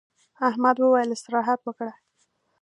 احمد وويل: استراحت وکړه.